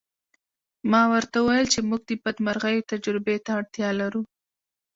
ما ورته وویل چې موږ د بدمرغیو تجربې ته اړتیا لرو